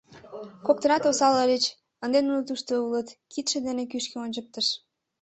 Коктынат осал ыльыч — ынде нуно тушто улыт, — кидше дене кӱшкӧ ончыктыш.